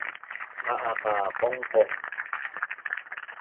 Ma’aq qa qongqong?